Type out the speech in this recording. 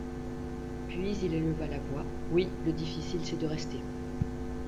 Puis il éleva la voix: — Oui, le difficile, c’est de rester.